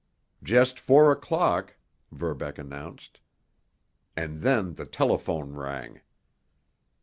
"Just four o'clock," Verbeck announced. And then the telephone rang!